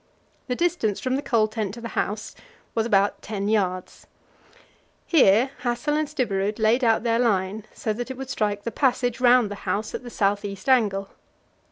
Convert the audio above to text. The distance from the coal tent to the house was about ten yards. Here Hassel and Stubberud laid out their line so that it would strike the passage round the house at the south east angle.